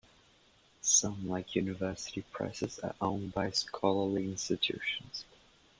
Some, like university presses, are owned by scholarly institutions.